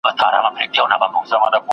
هغه د علم په وسيله ستونزي حل کړې وي.